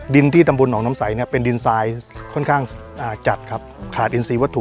ดินที่ตำบลหนองน้ำใสเนี่ยเป็นดินทรายค่อนข้างจัดครับขาดอินซีวัตถุ